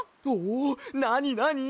なになに？